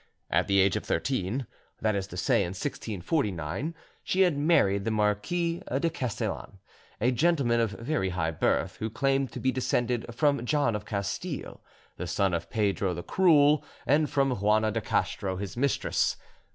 At the age of thirteen—that is to say, in 1649—she had married the Marquis de Castellane, a gentleman of very high birth, who claimed to be descended from John of Castille, the son of Pedro the Cruel, and from Juana de Castro, his mistress.